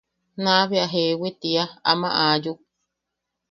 Naʼa bea jeewi tiia. –Ama aayuk.